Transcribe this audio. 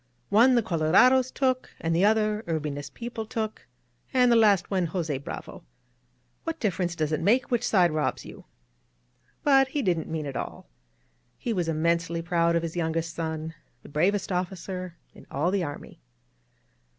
One the colorados took, and the other Urbina's people took, and the last one Jos£ Bravo. ••. What difference does it make which side robs you?" But he didn't mean it all. He was inmiensely proud of his youngest son, the bravest officer in all the army.